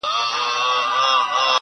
او د بت سترگي يې ښې ور اب پاشي کړې.